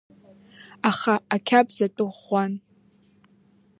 Аха ақьабз атәы ӷәӷәан.